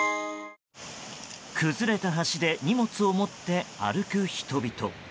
崩れた橋で荷物を持って歩く人々。